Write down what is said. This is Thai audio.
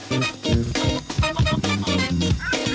ก็ได้แล้วก็ได้